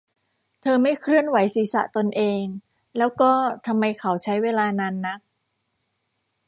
เธอไม่เคลื่อนไหวศีรษะตนเอง แล้วก็ ทำไมเขาใช้เวลานานนัก